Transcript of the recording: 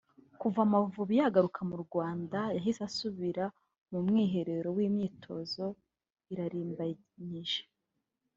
kuva Amavubi yagaruka mu Rwanda yahise asubira mu mwiherero n’imyitozo irarimbanyije